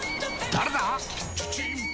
誰だ！